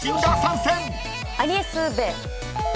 アニエス・ベー。